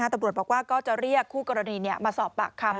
ตำรวจบอกว่าก็จะเรียกคู่กรณีมาสอบปากคำ